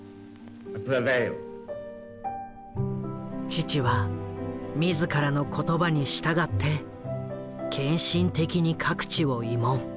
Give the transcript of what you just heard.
父は自らの言葉に従って献身的に各地を慰問。